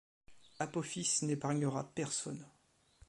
Apophis n'épargnera personne.